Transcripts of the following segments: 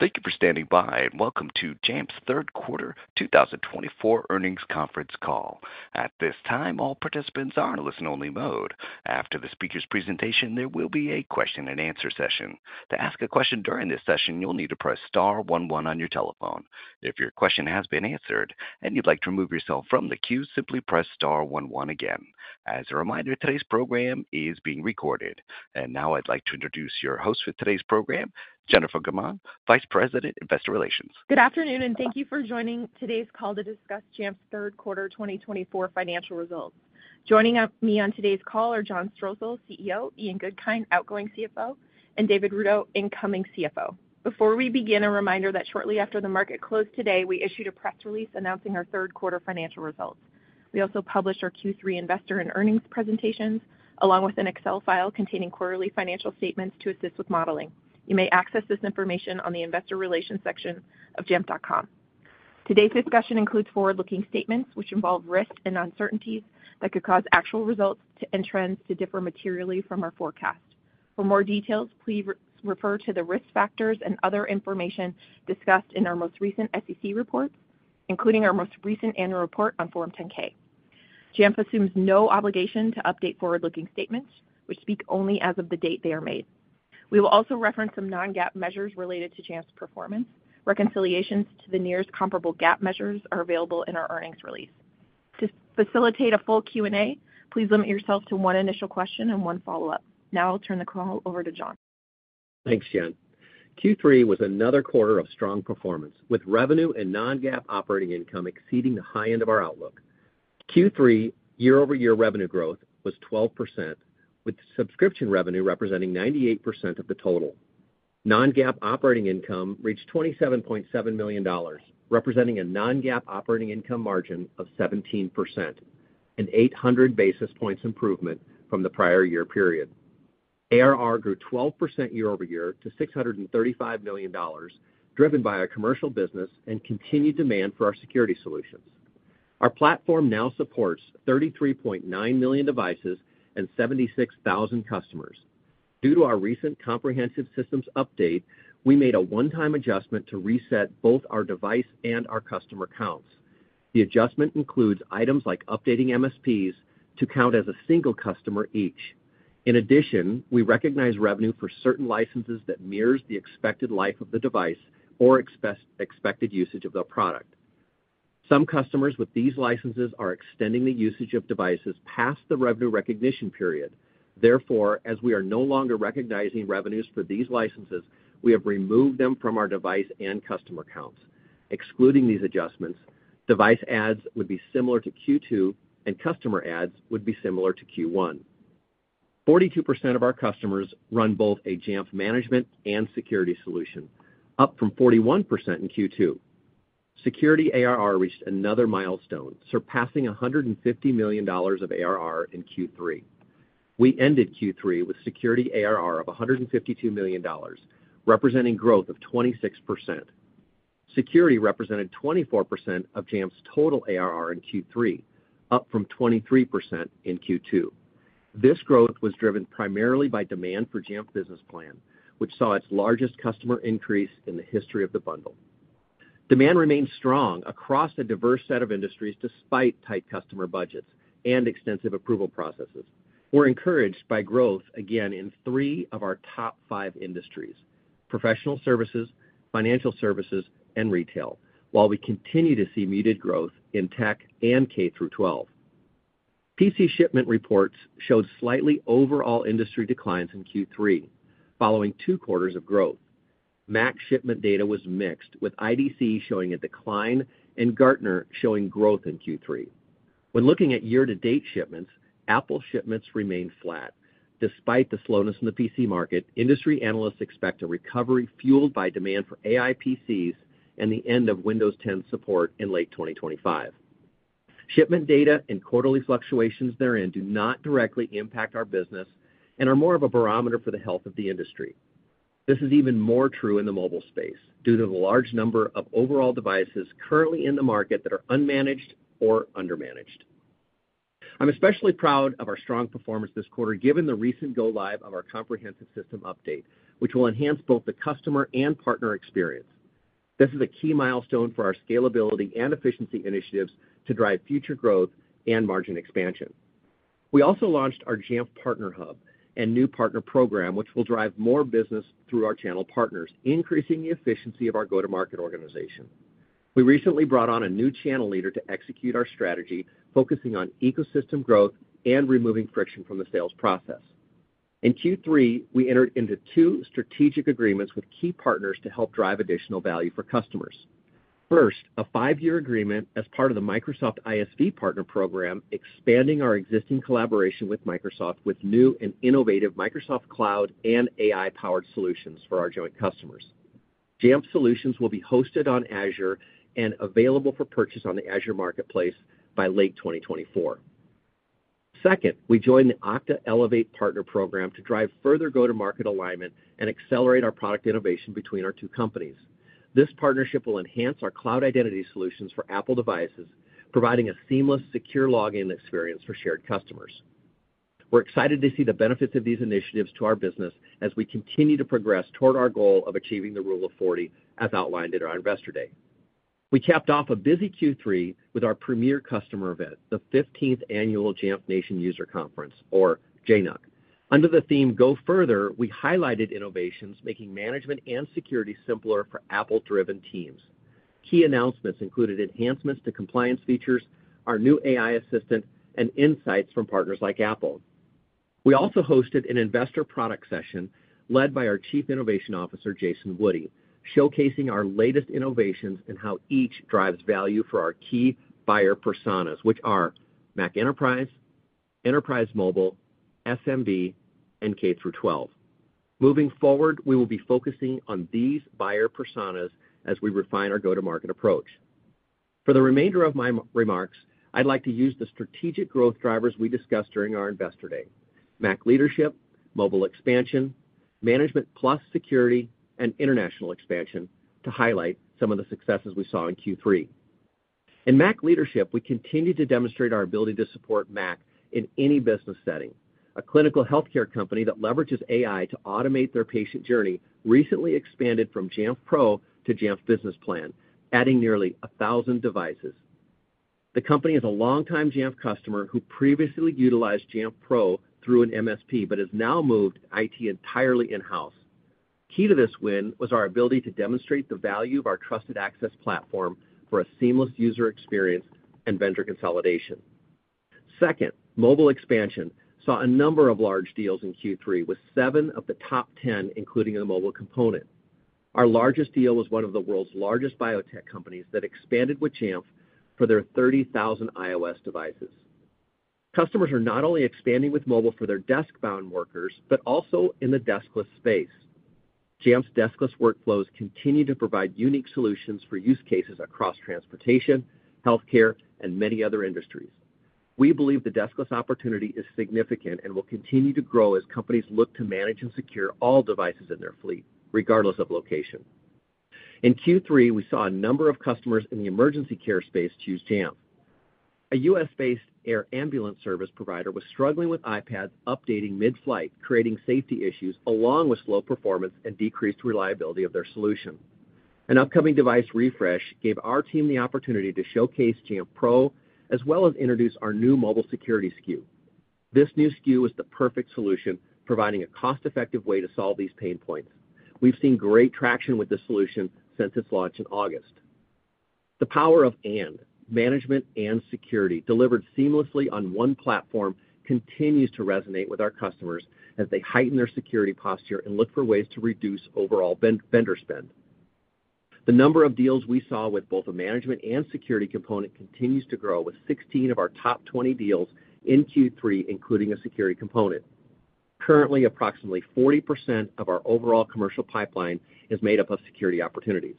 Thank you for standing by, and welcome to Jamf's Third Quarter 2024 Earnings Conference Call. At this time, all participants are in listen-only mode. After the speaker's presentation, there will be a question-and-answer session. To ask a question during this session, you'll need to press star 11 on your telephone. If your question has been answered and you'd like to remove yourself from the queue, simply press star 11 again. As a reminder, today's program is being recorded. And now I'd like to introduce your host for today's program, Jennifer Gaumond, Vice President, Investor Relations. Good afternoon, and thank you for joining today's call to discuss Jamf's Third Quarter 2024 financial results. Joining me on today's call are John Strosahl, CEO, Ian Goodkind, outgoing CFO, and David Rudow, incoming CFO. Before we begin, a reminder that shortly after the market closed today, we issued a press release announcing our Third Quarter financial results. We also published our Q3 investor and earnings presentations, along with an Excel file containing quarterly financial statements to assist with modeling. You may access this information on the Investor Relations section of jamf.com. Today's discussion includes forward-looking statements, which involve risks and uncertainties that could cause actual results and trends to differ materially from our forecast. For more details, please refer to the risk factors and other information discussed in our most recent SEC reports, including our most recent annual report on Form 10-K. Jamf assumes no obligation to update forward-looking statements, which speak only as of the date they are made. We will also reference some non-GAAP measures related to Jamf's performance. Reconciliations to the nearest comparable GAAP measures are available in our earnings release. To facilitate a full Q&A, please limit yourself to one initial question and one follow-up. Now I'll turn the call over to John. Thanks, Jen. Q3 was another quarter of strong performance, with revenue and Non-GAAP operating income exceeding the high end of our outlook. Q3 year-over-year revenue growth was 12%, with subscription revenue representing 98% of the total. Non-GAAP operating income reached $27.7 million, representing a Non-GAAP operating income margin of 17%, an 800 basis points improvement from the prior year period. ARR grew 12% year-over-year to $635 million, driven by our commercial business and continued demand for our security solutions. Our platform now supports 33.9 million devices and 76,000 customers. Due to our recent comprehensive systems update, we made a one-time adjustment to reset both our device and our customer counts. The adjustment includes items like updating MSPs to count as a single customer each. In addition, we recognize revenue for certain licenses that mirrors the expected life of the device or expected usage of the product. Some customers with these licenses are extending the usage of devices past the revenue recognition period. Therefore, as we are no longer recognizing revenues for these licenses, we have removed them from our device and customer counts. Excluding these adjustments, device adds would be similar to Q2, and customer adds would be similar to Q1. 42% of our customers run both a Jamf management and security solution, up from 41% in Q2. Security ARR reached another milestone, surpassing $150 million of ARR in Q3. We ended Q3 with security ARR of $152 million, representing growth of 26%. Security represented 24% of Jamf's total ARR in Q3, up from 23% in Q2. This growth was driven primarily by demand for Jamf Business Plan, which saw its largest customer increase in the history of the bundle. Demand remained strong across a diverse set of industries, despite tight customer budgets and extensive approval processes. We're encouraged by growth again in three of our top five industries: professional services, financial services, and retail, while we continue to see muted growth in tech and K-12. PC shipment reports showed slightly overall industry declines in Q3, following two quarters of growth. Mac shipment data was mixed, with IDC showing a decline and Gartner showing growth in Q3. When looking at year-to-date shipments, Apple shipments remain flat. Despite the slowness in the PC market, industry analysts expect a recovery fueled by demand for AI PCs and the end of Windows 10 support in late 2025. Shipment data and quarterly fluctuations therein do not directly impact our business and are more of a barometer for the health of the industry. This is even more true in the mobile space due to the large number of overall devices currently in the market that are unmanaged or undermanaged. I'm especially proud of our strong performance this quarter, given the recent go-live of our comprehensive system update, which will enhance both the customer and partner experience. This is a key milestone for our scalability and efficiency initiatives to drive future growth and margin expansion. We also launched our Jamf Partner Hub and new partner program, which will drive more business through our channel partners, increasing the efficiency of our go-to-market organization. We recently brought on a new channel leader to execute our strategy, focusing on ecosystem growth and removing friction from the sales process. In Q3, we entered into two strategic agreements with key partners to help drive additional value for customers. First, a five-year agreement as part of the Microsoft ISV Partner Program, expanding our existing collaboration with Microsoft with new and innovative Microsoft Cloud and AI-powered solutions for our joint customers. Jamf solutions will be hosted on Azure and available for purchase on the Azure Marketplace by late 2024. Second, we joined the Okta Elevate Partner Program to drive further go-to-market alignment and accelerate our product innovation between our two companies. This partnership will enhance our cloud identity solutions for Apple devices, providing a seamless, secure login experience for shared customers. We're excited to see the benefits of these initiatives to our business as we continue to progress toward our goal of achieving the Rule of 40, as outlined at our Investor Day. We capped off a busy Q3 with our premier customer event, the 15th Annual Jamf Nation User Conference, or JNUC. Under the theme "Go Further," we highlighted innovations making management and security simpler for Apple-driven teams. Key announcements included enhancements to compliance features, our new AI assistant, and insights from partners like Apple. We also hosted an investor product session led by our Chief Innovation Officer, Jason Wudi, showcasing our latest innovations and how each drives value for our key buyer personas, which are Mac Enterprise, Enterprise Mobile, SMB, and K through 12. Moving forward, we will be focusing on these buyer personas as we refine our go-to-market approach. For the remainder of my remarks, I'd like to use the strategic growth drivers we discussed during our Investor Day: Mac leadership, mobile expansion, management plus security, and international expansion to highlight some of the successes we saw in Q3. In Mac leadership, we continue to demonstrate our ability to support Mac in any business setting. A clinical healthcare company that leverages AI to automate their patient journey recently expanded from Jamf Pro to Jamf Business Plan, adding nearly 1,000 devices. The company is a longtime Jamf customer who previously utilized Jamf Pro through an MSP but has now moved IT entirely in-house. Key to this win was our ability to demonstrate the value of our Trusted Access platform for a seamless user experience and vendor consolidation. Second, mobile expansion saw a number of large deals in Q3, with seven of the top 10 including the mobile component. Our largest deal was one of the world's largest biotech companies that expanded with Jamf for their 30,000 iOS devices. Customers are not only expanding with mobile for their desk-bound workers but also in the deskless space. Jamf's deskless workflows continue to provide unique solutions for use cases across transportation, healthcare, and many other industries. We believe the deskless opportunity is significant and will continue to grow as companies look to manage and secure all devices in their fleet, regardless of location. In Q3, we saw a number of customers in the emergency care space choose Jamf. A U.S.-based air ambulance service provider was struggling with iPads updating mid-flight, creating safety issues along with slow performance and decreased reliability of their solution. An upcoming device refresh gave our team the opportunity to showcase Jamf Pro as well as introduce our new mobile security SKU. This new SKU was the perfect solution, providing a cost-effective way to solve these pain points. We've seen great traction with this solution since its launch in August. The power of and management and security delivered seamlessly on one platform continues to resonate with our customers as they heighten their security posture and look for ways to reduce overall vendor spend. The number of deals we saw with both a management and security component continues to grow, with 16 of our top 20 deals in Q3 including a security component. Currently, approximately 40% of our overall commercial pipeline is made up of security opportunities.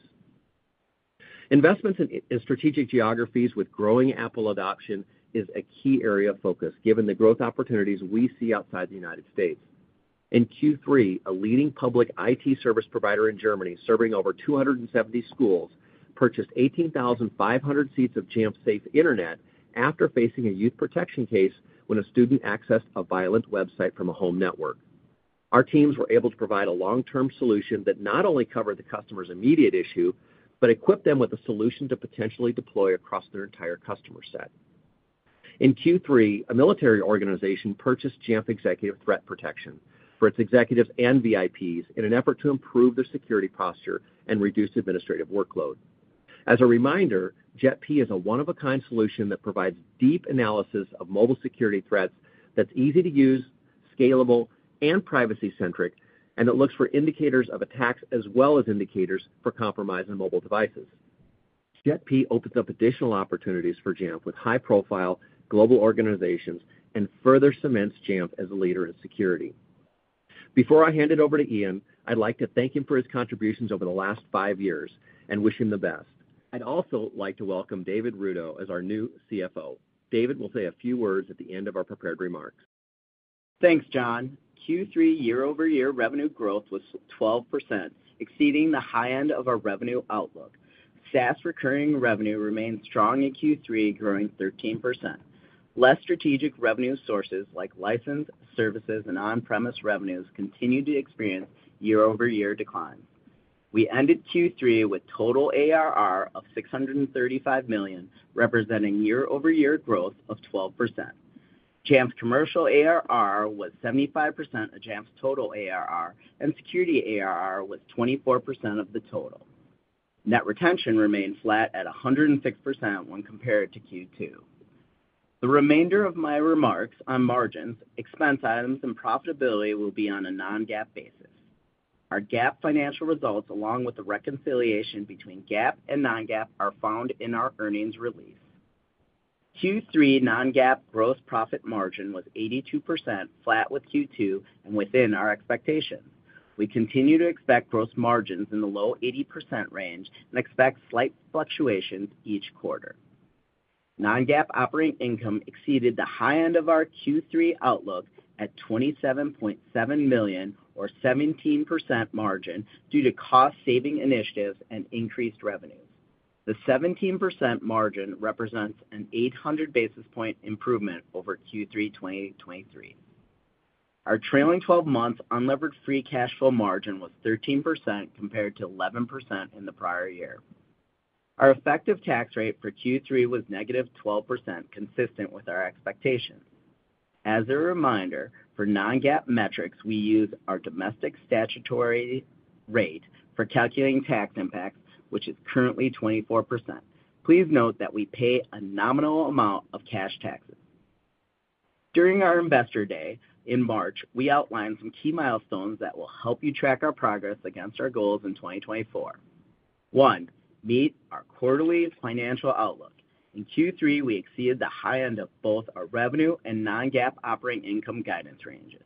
Investments in strategic geographies with growing Apple adoption is a key area of focus, given the growth opportunities we see outside the United States. In Q3, a leading public IT service provider in Germany serving over 270 schools purchased 18,500 seats of Jamf Safe Internet after facing a youth protection case when a student accessed a violent website from a home network. Our teams were able to provide a long-term solution that not only covered the customer's immediate issue but equipped them with a solution to potentially deploy across their entire customer set. In Q3, a military organization purchased Jamf Executive Threat Protection for its executives and VIPs in an effort to improve their security posture and reduce administrative workload. As a reminder, JETP is a one-of-a-kind solution that provides deep analysis of mobile security threats that's easy to use, scalable, and privacy-centric, and it looks for indicators of attacks as well as indicators of compromise in mobile devices. JETP opened up additional opportunities for Jamf with high-profile global organizations and further cements Jamf as a leader in security. Before I hand it over to Ian, I'd like to thank him for his contributions over the last five years and wish him the best. I'd also like to welcome David Rudow as our new CFO. David will say a few words at the end of our prepared remarks. Thanks, John. Q3 year-over-year revenue growth was 12%, exceeding the high end of our revenue outlook. SaaS recurring revenue remained strong in Q3, growing 13%. Less strategic revenue sources like license, services, and on-premise revenues continued to experience year-over-year declines. We ended Q3 with total ARR of $635 million, representing year-over-year growth of 12%. Jamf commercial ARR was 75% of Jamf's total ARR, and security ARR was 24% of the total. Net retention remained flat at 106% when compared to Q2. The remainder of my remarks on margins, expense items, and profitability will be on a non-GAAP basis. Our GAAP financial results, along with the reconciliation between GAAP and non-GAAP, are found in our earnings release. Q3 non-GAAP gross profit margin was 82%, flat with Q2 and within our expectations. We continue to expect gross margins in the low 80% range and expect slight fluctuations each quarter. Non-GAAP operating income exceeded the high end of our Q3 outlook at $27.7 million, or 17% margin, due to cost-saving initiatives and increased revenues. The 17% margin represents an 800 basis points improvement over Q3 2023. Our trailing 12 months unleveraged free cash flow margin was 13% compared to 11% in the prior year. Our effective tax rate for Q3 was negative 12%, consistent with our expectations. As a reminder, for non-GAAP metrics, we use our domestic statutory rate for calculating tax impact, which is currently 24%. Please note that we pay a nominal amount of cash taxes. During our Investor Day in March, we outlined some key milestones that will help you track our progress against our goals in 2024. One, meet our quarterly financial outlook. In Q3, we exceeded the high end of both our revenue and non-GAAP operating income guidance ranges.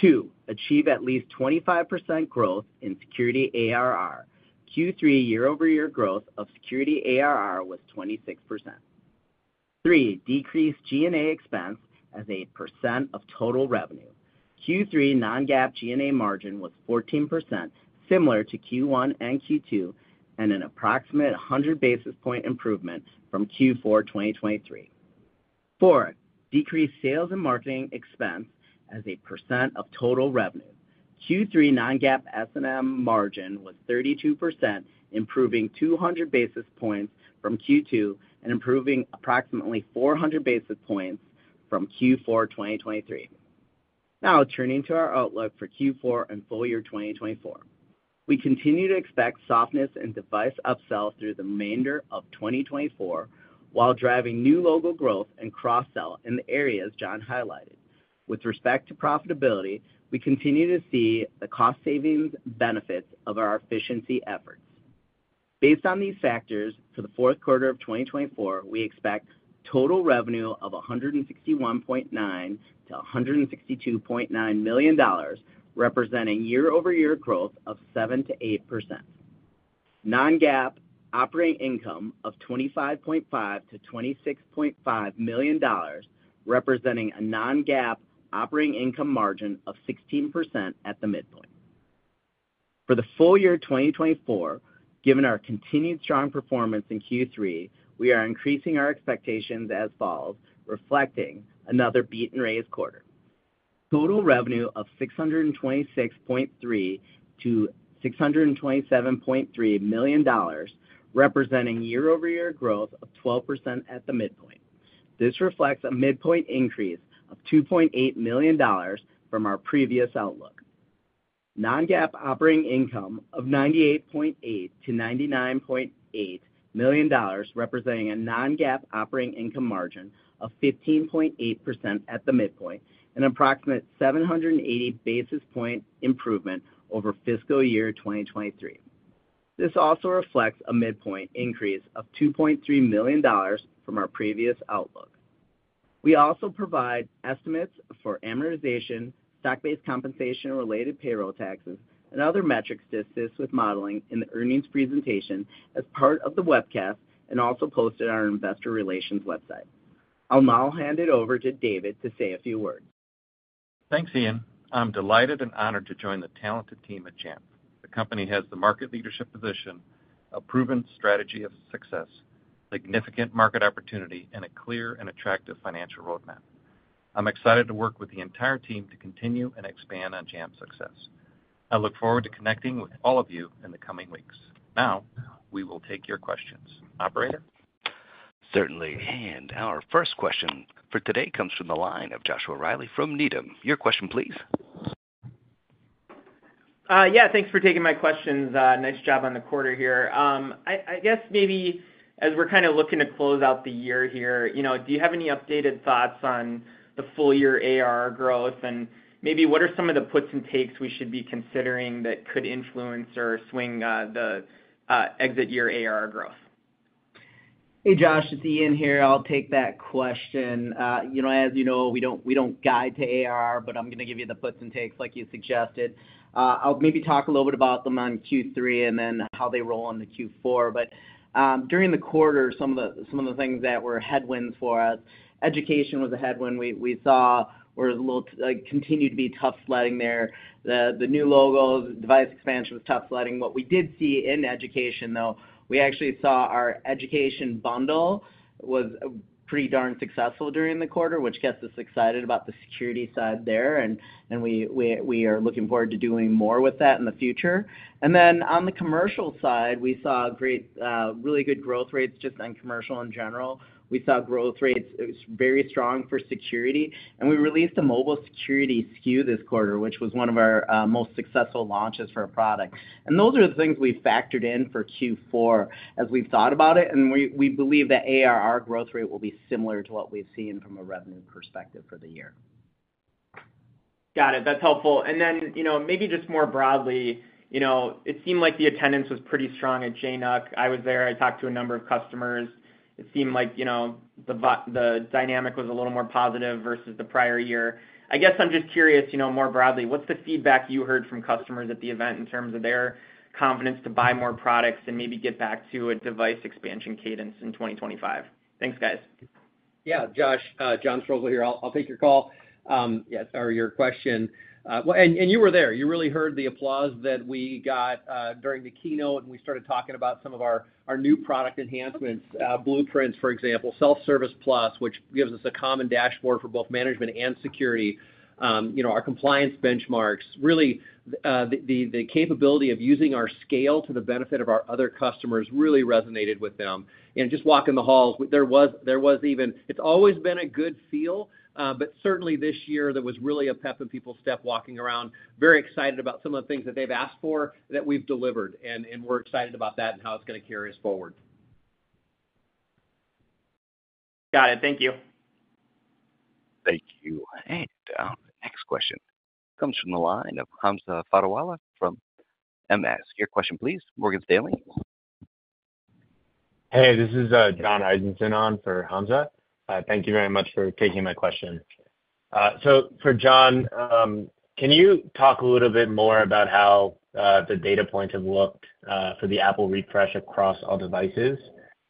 Two, achieve at least 25% growth in security ARR. Q3 year-over-year growth of security ARR was 26%. Three, decrease G&A expense as a percent of total revenue. Q3 non-GAAP G&A margin was 14%, similar to Q1 and Q2, and an approximate 100 basis point improvement from Q4 2023. Four, decrease sales and marketing expense as a percent of total revenue. Q3 non-GAAP S&M margin was 32%, improving 200 basis points from Q2 and improving approximately 400 basis points from Q4 2023. Now, turning to our outlook for Q4 and full year 2024, we continue to expect softness in device upsell through the remainder of 2024 while driving new local growth and cross-sell in the areas John highlighted. With respect to profitability, we continue to see the cost savings benefits of our efficiency efforts. Based on these factors, for the fourth quarter of 2024, we expect total revenue of $161.9-$162.9 million, representing year-over-year growth of 7%-8%. Non-GAAP operating income of $25.5-$26.5 million, representing a non-GAAP operating income margin of 16% at the midpoint. For the full year 2024, given our continued strong performance in Q3, we are increasing our expectations as follows, reflecting another beat-and-raise quarter. Total revenue of $626.3-$627.3 million, representing year-over-year growth of 12% at the midpoint. This reflects a midpoint increase of $2.8 million from our previous outlook. Non-GAAP operating income of $98.8-$99.8 million, representing a non-GAAP operating income margin of 15.8% at the midpoint, an approximate 780 basis points improvement over fiscal year 2023. This also reflects a midpoint increase of $2.3 million from our previous outlook. We also provide estimates for amortization, stock-based compensation-related payroll taxes, and other metrics to assist with modeling in the earnings presentation as part of the webcast and also posted on our Investor Relations website. I'll now hand it over to David to say a few words. Thanks, Ian. I'm delighted and honored to join the talented team at Jamf. The company has the market leadership position, a proven strategy of success, significant market opportunity, and a clear and attractive financial roadmap. I'm excited to work with the entire team to continue and expand on Jamf's success. I look forward to connecting with all of you in the coming weeks. Now, we will take your questions. Operator? Certainly. And our first question for today comes from the line of Joshua Riley from Needham. Your question, please. Yeah. Thanks for taking my questions. Nice job on the quarter here. I guess maybe as we're kind of looking to close out the year here, do you have any updated thoughts on the full year ARR growth? And maybe what are some of the puts and takes we should be considering that could influence or swing the exit year ARR growth? Hey, Josh. It's Ian here. I'll take that question. As you know, we don't guide to ARR, but I'm going to give you the puts and takes like you suggested. I'll maybe talk a little bit about them on Q3 and then how they roll on the Q4. But during the quarter, some of the things that were headwinds for us, education was a headwind. We saw, or it continued to be, tough sledding there. The new logos, device expansion was tough sledding. What we did see in education, though, we actually saw our education bundle was pretty darn successful during the quarter, which gets us excited about the security side there. And we are looking forward to doing more with that in the future. And then on the commercial side, we saw really good growth rates just on commercial in general. We saw growth rates. It was very strong for security. And we released a mobile security SKU this quarter, which was one of our most successful launches for a product. And those are the things we factored in for Q4 as we've thought about it. And we believe that ARR growth rate will be similar to what we've seen from a revenue perspective for the year. Got it. That's helpful. And then maybe just more broadly, it seemed like the attendance was pretty strong at JNUC. I was there. I talked to a number of customers. It seemed like the dynamic was a little more positive versus the prior year. I guess I'm just curious more broadly, what's the feedback you heard from customers at the event in terms of their confidence to buy more products and maybe get back to a device expansion cadence in 2025? Thanks, guys. Yeah. Josh, John Strosahl here. I'll take your call or your question. And you were there. You really heard the applause that we got during the keynote, and we started talking about some of our new product enhancements, Blueprints, for example, Self Service, which gives us a common dashboard for both management and security. Our Compliance Benchmarks, really the capability of using our scale to the benefit of our other customers really resonated with them. And just walking the halls, there was even. It's always been a good feel, but certainly this year there was really a pep in people's step walking around, very excited about some of the things that they've asked for that we've delivered. And we're excited about that and how it's going to carry us forward. Got it. Thank you. Thank you. And next question comes from the line of Hamza Fodderwala from MS. Your question, please. Morgan Stanley. Hey, this is John Isenson on for Hamza. Thank you very much for taking my question. So for John, can you talk a little bit more about how the data points have looked for the Apple refresh across all devices?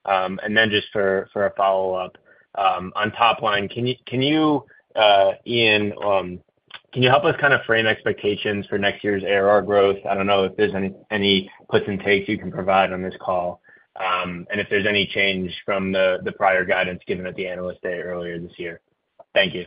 And then just for a follow-up, on top line, Ian, can you help us kind of frame expectations for next year's ARR growth? I don't know if there's any puts and takes you can provide on this call. And if there's any change from the prior guidance given at the analyst day earlier this year. Thank you.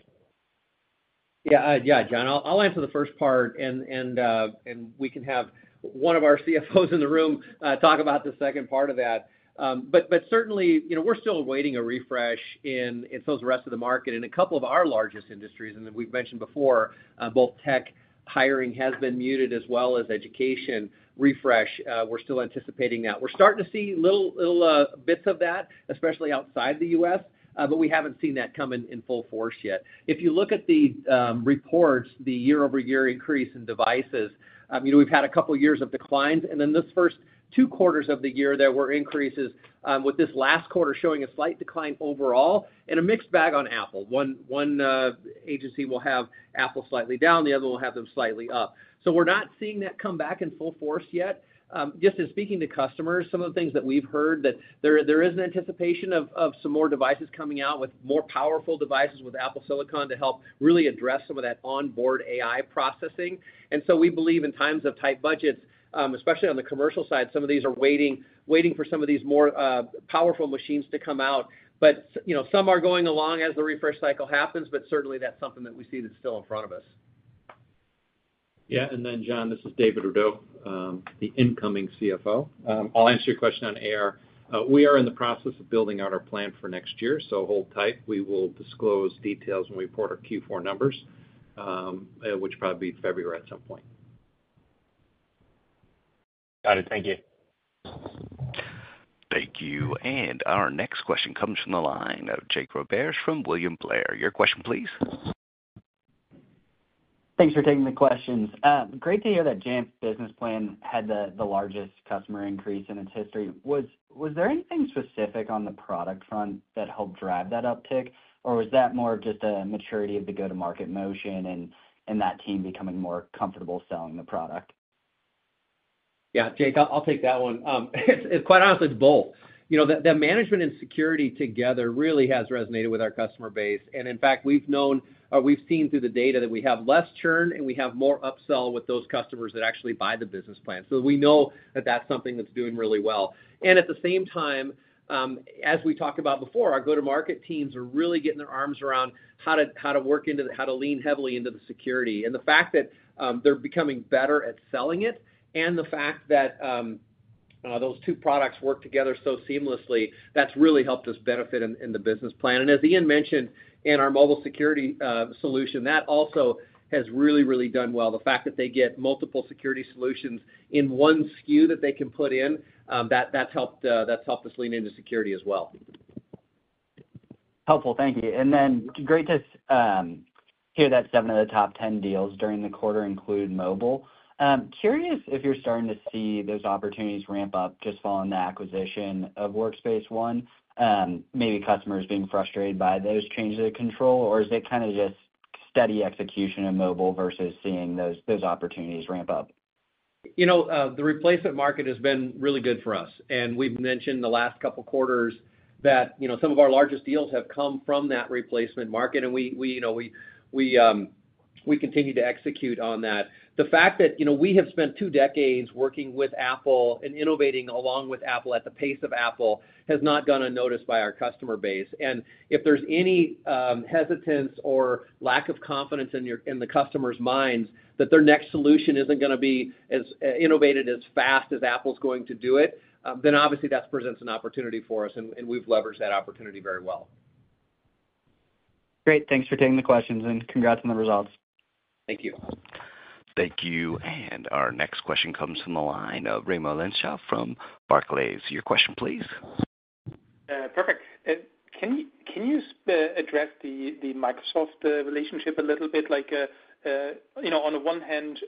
Yeah, yeah, John, I'll answer the first part, and we can have one of our CFOs in the room talk about the second part of that. But certainly, we're still awaiting a refresh in some of the rest of the market and a couple of our largest industries, and then we've mentioned before, both tech hiring has been muted as well as education refresh. We're still anticipating that. We're starting to see little bits of that, especially outside the U.S., but we haven't seen that come in full force yet. If you look at the reports, the year-over-year increase in devices, we've had a couple of years of declines, and then this first two quarters of the year there were increases, with this last quarter showing a slight decline overall in a mixed bag on Apple. One agency will have Apple slightly down. The other will have them slightly up. We're not seeing that come back in full force yet. Just in speaking to customers, some of the things that we've heard that there is an anticipation of some more devices coming out with more powerful devices with Apple Silicon to help really address some of that onboard AI processing. And so we believe in times of tight budgets, especially on the commercial side, some of these are waiting for some of these more powerful machines to come out. But some are going along as the refresh cycle happens, but certainly that's something that we see that's still in front of us. Yeah, and then, John, this is David Rudow, the incoming CFO. I'll answer your question on ARR. We are in the process of building out our plan for next year, so hold tight. We will disclose details when we report our Q4 numbers, which will probably be February at some point. Got it. Thank you. Thank you. And our next question comes from the line of Jake Roberge from William Blair. Your question, please. Thanks for taking the questions. Great to hear that Jamf Business Plan had the largest customer increase in its history. Was there anything specific on the product front that helped drive that uptick, or was that more of just a maturity of the go-to-market motion and that team becoming more comfortable selling the product? Yeah. Jake, I'll take that one. Quite honestly, it's both. The management and security together really has resonated with our customer base. And in fact, we've seen through the data that we have less churn and we have more upsell with those customers that actually buy the business plan. So we know that that's something that's doing really well. And at the same time, as we talked about before, our go-to-market teams are really getting their arms around how to lean heavily into the security. And the fact that they're becoming better at selling it and the fact that those two products work together so seamlessly, that's really helped us benefit in the business plan. And as Ian mentioned, in our mobile security solution, that also has really, really done well. The fact that they get multiple security solutions in one SKU that they can put in, that's helped us lean into security as well. Helpful. Thank you. And then great to hear that seven of the top 10 deals during the quarter include mobile. Curious if you're starting to see those opportunities ramp up just following the acquisition of Workspace ONE, maybe customers being frustrated by those changes of control, or is it kind of just steady execution of mobile versus seeing those opportunities ramp up? You know. The replacement market has been really good for us. And we've mentioned the last couple of quarters that some of our largest deals have come from that replacement market, and we continue to execute on that. The fact that we have spent two decades working with Apple and innovating along with Apple at the pace of Apple has not gone unnoticed by our customer base. And if there's any hesitance or lack of confidence in the customer's minds that their next solution isn't going to be as innovative as fast as Apple's going to do it, then obviously that presents an opportunity for us, and we've leveraged that opportunity very well. Great. Thanks for taking the questions and congrats on the results. Thank you. Thank you. And our next question comes from the line of Raimo Lenschow from Barclays. Your question, please. Perfect. Can you address the Microsoft relationship a little bit? On the one hand,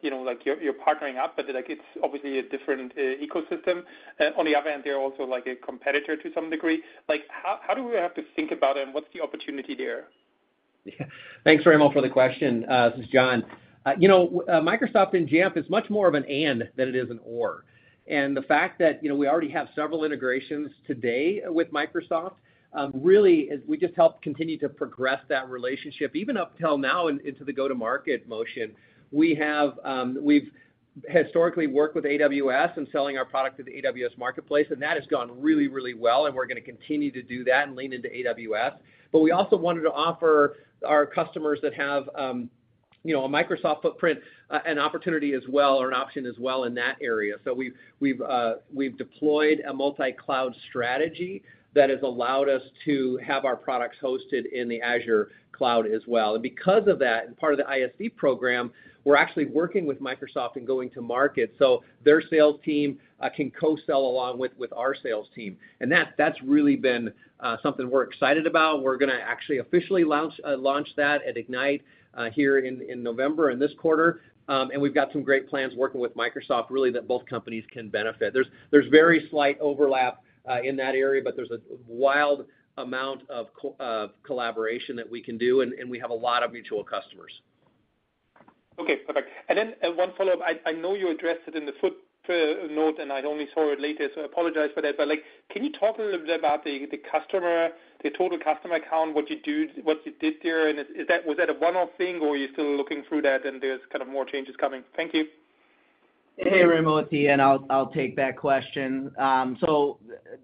you're partnering up, but it's obviously a different ecosystem. On the other hand, they're also a competitor to some degree. How do we have to think about it, and what's the opportunity there? Thanks, Raimo, for the question. This is John. Microsoft and Jamf is much more of an and than it is an or, and the fact that we already have several integrations today with Microsoft, really, we just help continue to progress that relationship, even up until now into the go-to-market motion. We've historically worked with AWS and selling our product to the AWS marketplace, and that has gone really, really well, and we're going to continue to do that and lean into AWS, but we also wanted to offer our customers that have a Microsoft footprint an opportunity as well or an option as well in that area, so we've deployed a multi-cloud strategy that has allowed us to have our products hosted in the Azure Cloud as well. Because of that, and part of the ISV program, we're actually working with Microsoft and going to market so their sales team can co-sell along with our sales team. That's really been something we're excited about. We're going to actually officially launch that at Ignite here in November in this quarter. We've got some great plans working with Microsoft really that both companies can benefit. There's very slight overlap in that area, but there's a wild amount of collaboration that we can do, and we have a lot of mutual customers. Okay. Perfect. And then one follow-up. I know you addressed it in the footnote, and I only saw it later, so I apologize for that. But can you talk a little bit about the customer, the total customer count, what you did there? And was that a one-off thing, or are you still looking through that, and there's kind of more changes coming? Thank you. Hey, Raimo, I'll take that question. So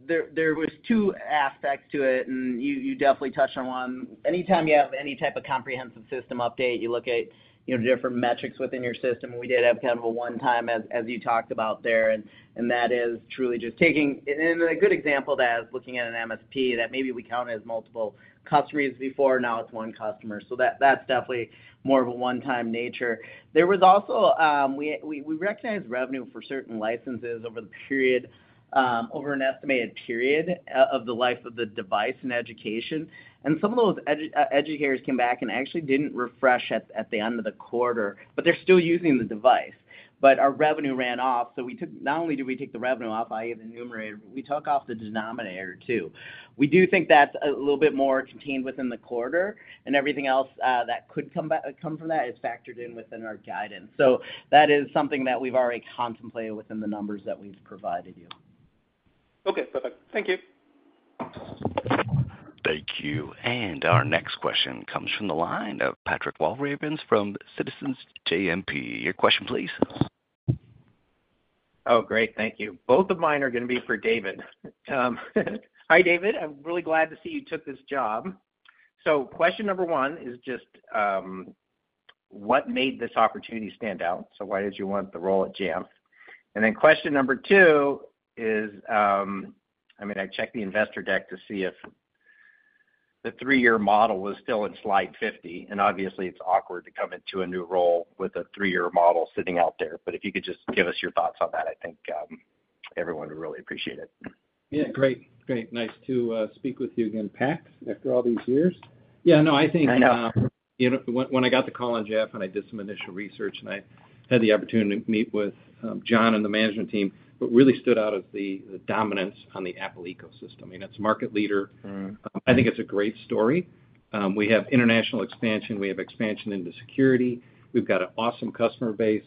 there were two aspects to it, and you definitely touched on one. Anytime you have any type of comprehensive system update, you look at different metrics within your system. We did have kind of a one-time, as you talked about there, and that is truly just taking a good example of that is looking at an MSP that maybe we counted as multiple customers before. Now it's one customer. So that's definitely more of a one-time nature. There was also we recognized revenue for certain licenses over an estimated period of the life of the device and education. And some of those educators came back and actually didn't refresh at the end of the quarter, but they're still using the device. But our revenue ran off. So not only did we take the revenue off, i.e., the numerator. We took off the denominator too. We do think that's a little bit more contained within the quarter, and everything else that could come from that is factored in within our guidance. So that is something that we've already contemplated within the numbers that we've provided you. Okay. Perfect. Thank you. Thank you. And our next question comes from the line of Patrick Walravens from Citizens JMP. Your question, please. Oh, great. Thank you. Both of mine are going to be for David. Hi, David. I'm really glad to see you took this job. So question number one is just what made this opportunity stand out? So why did you want the role at Jamf? And then question number two is, I mean, I checked the investor deck to see if the three-year model was still in slide 50. And obviously, it's awkward to come into a new role with a three-year model sitting out there. But if you could just give us your thoughts on that, I think everyone would really appreciate it. Yeah. Great. Great. Nice to speak with you again, Pat, after all these years. Yeah. No, I think when I got the call on Jamf and I did some initial research, and I had the opportunity to meet with John and the management team, it really stood out as the dominance on the Apple ecosystem. I mean, it's a market leader. I think it's a great story. We have international expansion. We have expansion into security. We've got an awesome customer base.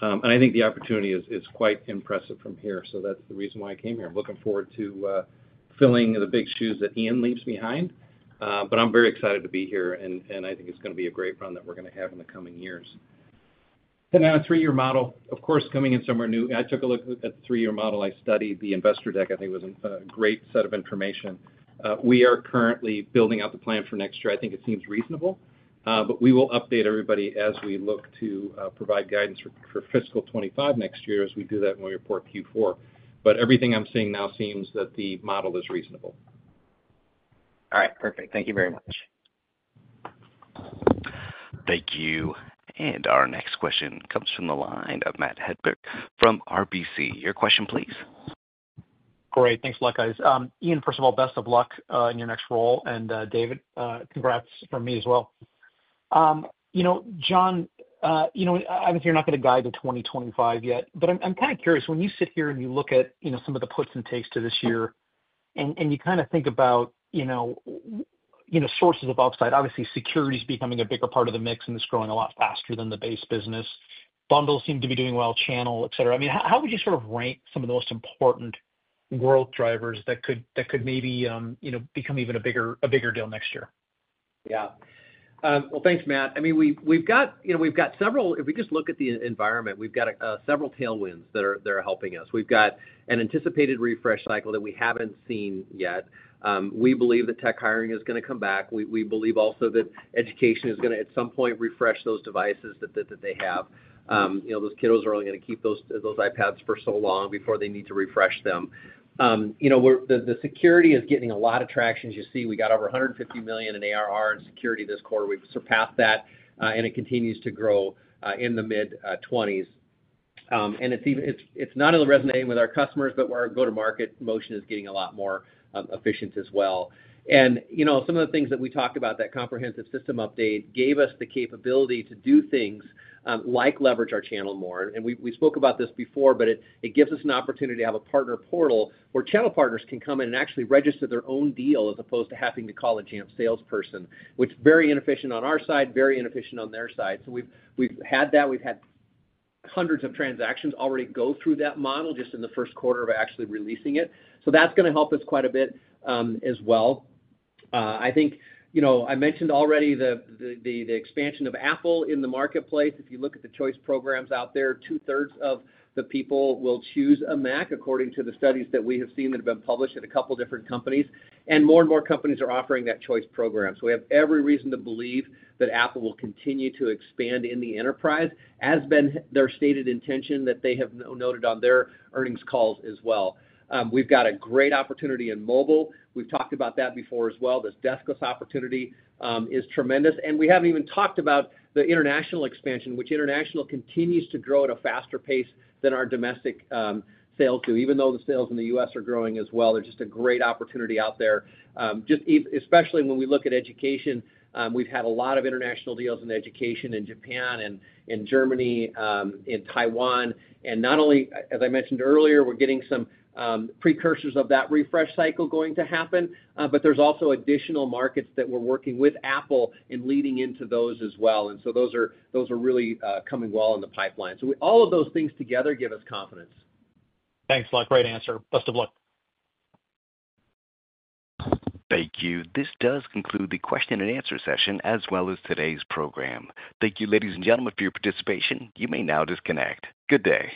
And I think the opportunity is quite impressive from here. So that's the reason why I came here. I'm looking forward to filling the big shoes that Ian leaves behind. But I'm very excited to be here, and I think it's going to be a great run that we're going to have in the coming years. And then a three-year model, of course, coming in somewhere new. I took a look at the three-year model. I studied the investor deck. I think it was a great set of information. We are currently building out the plan for next year. I think it seems reasonable, but we will update everybody as we look to provide guidance for fiscal 2025 next year as we do that when we report Q4. But everything I'm seeing now seems that the model is reasonable. All right. Perfect. Thank you very much. Thank you. And our next question comes from the line of Matt Hedberg from RBC. Your question, please. Great. Thanks a lot, guys. Ian, first of all, best of luck in your next role. And David, congrats from me as well. John, obviously, you're not going to guide the 2025 yet, but I'm kind of curious. When you sit here and you look at some of the puts and takes to this year and you kind of think about sources of upside, obviously, security is becoming a bigger part of the mix, and it's growing a lot faster than the base business. Bundle seemed to be doing well, channel, etc. I mean, how would you sort of rank some of the most important growth drivers that could maybe become even a bigger deal next year? Yeah. Well, thanks, Matt. I mean, we've got several if we just look at the environment, we've got several tailwinds that are helping us. We've got an anticipated refresh cycle that we haven't seen yet. We believe that tech hiring is going to come back. We believe also that education is going to, at some point, refresh those devices that they have. Those kiddos are only going to keep those iPads for so long before they need to refresh them. The security is getting a lot of traction. As you see, we got over $150 million in ARR and security this quarter. We've surpassed that, and it continues to grow in the mid-20s%. And it's not only resonating with our customers, but our go-to-market motion is getting a lot more efficient as well. And some of the things that we talked about, that comprehensive system update gave us the capability to do things like leverage our channel more. And we spoke about this before, but it gives us an opportunity to have a partner portal where channel partners can come in and actually register their own deal as opposed to having to call a Jamf salesperson, which is very inefficient on our side, very inefficient on their side. So we've had that. We've had hundreds of transactions already go through that model just in the first quarter of actually releasing it. So that's going to help us quite a bit as well. I think I mentioned already the expansion of Apple in the marketplace. If you look at the choice programs out there, two-thirds of the people will choose a Mac according to the studies that we have seen that have been published at a couple of different companies, and more and more companies are offering that choice program, so we have every reason to believe that Apple will continue to expand in the enterprise, as has been their stated intention that they have noted on their earnings calls as well. We've got a great opportunity in mobile. We've talked about that before as well. This deskless opportunity is tremendous, and we haven't even talked about the international expansion, which, international, continues to grow at a faster pace than our domestic sales do, even though the sales in the U.S. are growing as well. There's just a great opportunity out there, especially when we look at education. We've had a lot of international deals in education in Japan and in Germany and Taiwan. And not only, as I mentioned earlier, we're getting some precursors of that refresh cycle going to happen, but there's also additional markets that we're working with Apple and leading into those as well. And so those are really coming well in the pipeline. So all of those things together give us confidence. Thanks. Great answer. Best of luck. Thank you. This does conclude the question and answer session as well as today's program. Thank you, ladies and gentlemen, for your participation. You may now disconnect. Good day.